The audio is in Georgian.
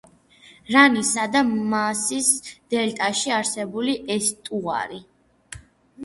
რაინისა და მაასის დელტაში არსებული ესტუარი.